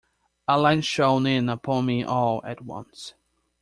A light shone in upon me all at once.